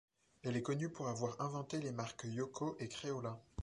Elle est connue pour avoir inventé les marques Yoco et Créola.